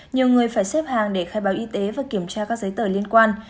nhiều người phải xếp hàng để khai báo y tế và kiểm tra các giấy tờ liên quan